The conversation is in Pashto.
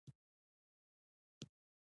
کيسه چې مې ورته وکړه.